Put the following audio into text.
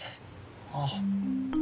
ああ。